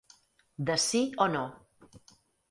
De sí o no.